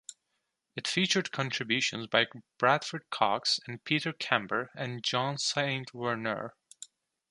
It featured contributions by Bradford Cox and Peter Kember and Jan Saint Werner.